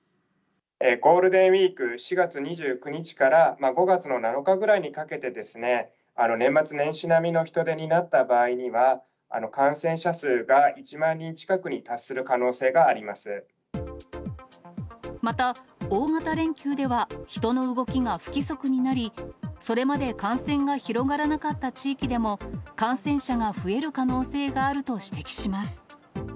ゴールデンウィーク、４月２９日から５月の７日ぐらいにかけて、年末年始並みの人出になった場合には、感染者数が１万人近くに達また大型連休では、人の動きが不規則になり、それまで感染が広がらなかった地域でも、感染者が増える可能性があると指摘します。